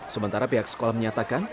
sementara pihak sekolah menyatakan